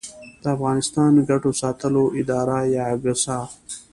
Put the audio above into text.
د افغانستان ګټو ساتلو اداره یا اګسا